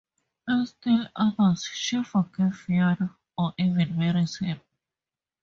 In still others she forgives Fionn, or even marries him.